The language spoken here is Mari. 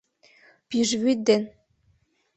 Пӱжвӱд ден